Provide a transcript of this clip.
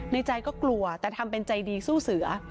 ในใจก็กลัวแต่ทำเป็นใจดีสู้เสือ